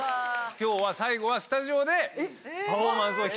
今日は最後はスタジオでパフォーマンスを披露させて。